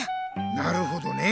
なるほどね。